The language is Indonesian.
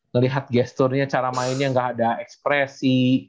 ngelihat gesturnya cara mainnya nggak ada ekspresi